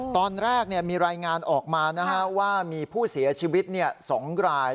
ตอนแรกมีรายงานออกมาว่ามีผู้เสียชีวิต๒ราย